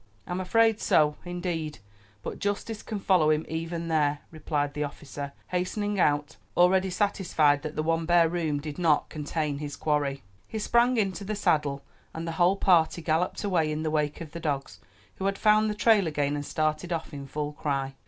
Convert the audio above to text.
"I'm afraid so, indeed; but justice can follow him even there," replied the officer, hastening out, already satisfied that the one bare room did not contain his quarry. He sprang into the saddle, and the whole party galloped away in the wake of the dogs, who had found the trail again and started off in full cry.